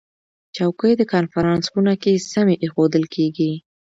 چوکۍ د کنفرانس خونه کې سمې ایښودل کېږي.